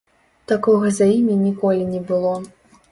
Такога за імі ніколі не было.